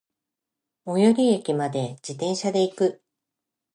最寄駅まで、自転車で行く。